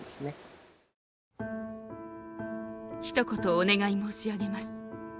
「一言お願い申し上げます。